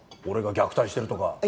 俺が虐待してるとか。